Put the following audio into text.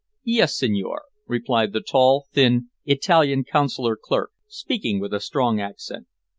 "Yes, signore," replied the tall, thin Italian Consular clerk, speaking with a strong accent.